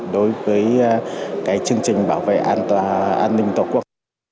đối với chương trình bảo vệ an ninh tổ quốc